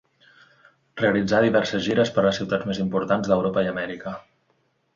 Realitzà diverses gires per les ciutats més importants d'Europa i Amèrica.